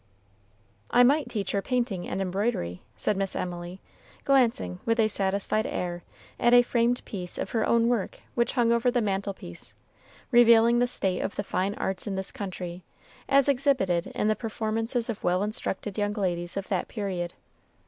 "I might teach her painting and embroidery," said Miss Emily, glancing, with a satisfied air, at a framed piece of her own work which hung over the mantelpiece, revealing the state of the fine arts in this country, as exhibited in the performances of well instructed young ladies of that period.